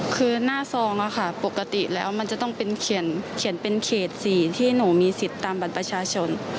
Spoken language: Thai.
คือหน้าซองปกติแล้วมันจะต้องเป็นเขียนเป็นเขต๔ที่หนูมีสิทธิ์ตามบัตรประชาชน